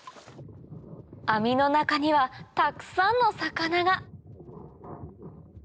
網の中にはたくさんの魚が！